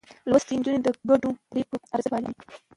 لوستې نجونې د ګډو پرېکړو ارزښت پالي.